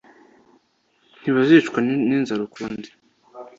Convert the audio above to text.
Ntibazicwa n’inzara ukundi,